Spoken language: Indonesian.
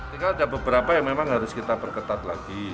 tinggal ada beberapa yang memang harus kita perketat lagi